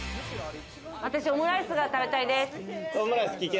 私、オムライスが食べたいです。